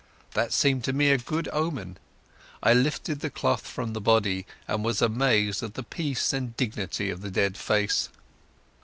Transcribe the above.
That seemed to me a good omen. I lifted the cloth from the body and was amazed at the peace and dignity of the dead face.